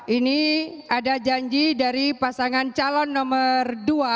ini ada janji dari pasangan calon nomor dua